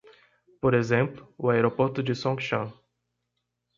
Por exemplo, o aeroporto de Songshan